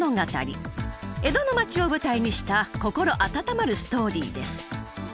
江戸の町を舞台にした心温まるストーリーです。